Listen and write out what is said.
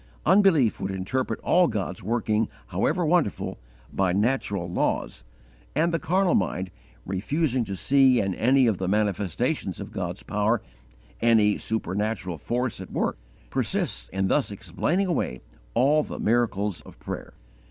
_ Unbelief would interpret all God's working however wonderful, by 'natural laws,' and the carnal mind, refusing to see in any of the manifestations of God's power any supernatural force at work, persists in thus explaining away all the 'miracles of prayer.'